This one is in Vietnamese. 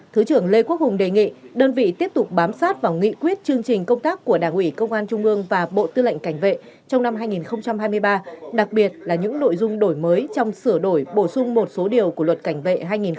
thứ trưởng lê quốc hùng đề nghị đơn vị tiếp tục bám sát vào nghị quyết chương trình công tác của đảng ủy công an trung ương và bộ tư lệnh cảnh vệ trong năm hai nghìn hai mươi ba đặc biệt là những nội dung đổi mới trong sửa đổi bổ sung một số điều của luật cảnh vệ hai nghìn hai mươi ba